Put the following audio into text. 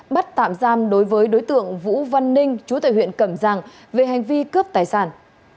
bắt tạm giam đối với đối tượng vũ văn ninh chú tại huyện cẩm giang về hành vi cướp tài sản